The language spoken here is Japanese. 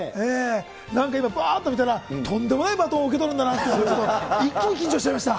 なんか今、ぱーっと見たら、とんでもないバトンを受け取るんだなと、一気に緊張しちゃいました。